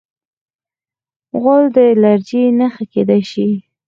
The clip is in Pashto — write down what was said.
غول د الرجۍ نښه کېدای شي.